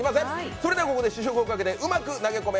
それではここで試食をかけてうまく投げ込め！